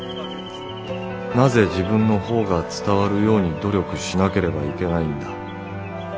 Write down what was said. なぜ自分の方が伝わるように努力しなければいけないんだ。